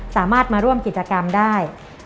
สามารถมาร่วมกิจกรรมได้